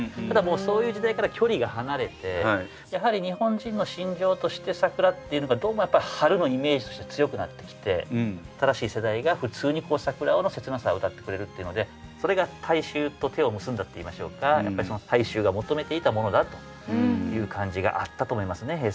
ただもうそういう時代から距離が離れてやはり日本人の心情として桜っていうのがどうもやっぱ春のイメージとして強くなってきて新しい世代が普通に桜の切なさを歌ってくれるっていうのでそれが大衆と手を結んだっていいましょうか大衆が求めていたものだという感じがあったと思いますね